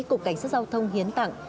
cục cảnh sát giao thông hiến tặng